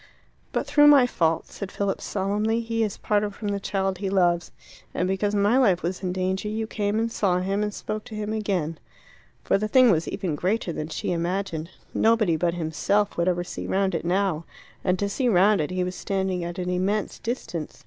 "But through my fault," said Philip solemnly, "he is parted from the child he loves. And because my life was in danger you came and saw him and spoke to him again." For the thing was even greater than she imagined. Nobody but himself would ever see round it now. And to see round it he was standing at an immense distance.